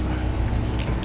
gue akan merebut hati mona lagi